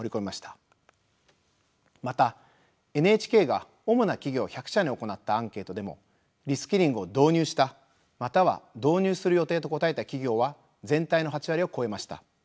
またＮＨＫが主な企業１００社に行ったアンケートでもリスキリングを導入したまたは導入する予定と答えた企業は全体の８割を超えました。